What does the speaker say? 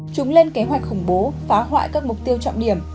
chúng lên kế hoạch khủng bố phá hoại các mục tiêu trọng điểm